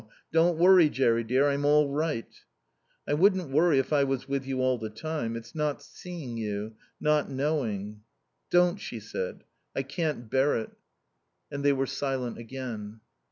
Don't worry, Jerry dear; I'm all right." "I wouldn't worry if I was with you all the time. It's not seeing you. Not knowing." "Don't," she said. "I can't bear it." And they were silent again.